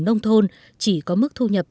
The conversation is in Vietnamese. nông thôn chỉ có mức thu nhập